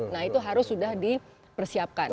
nah itu harus sudah dipersiapkan